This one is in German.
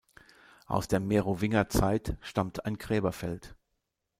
Aus der Merowingerzeit stammt ein Gräberfeld.